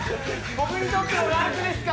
僕にとってのラルクですか？